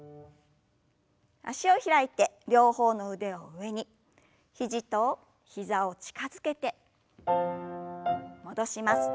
脚を開いて両方の腕を上に肘と膝を近づけて戻します。